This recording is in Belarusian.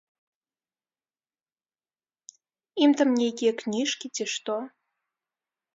Ім там нейкія кніжкі ці што.